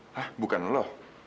hah bukan lo